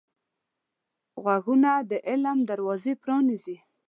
غوږونه د علم دروازې پرانیزي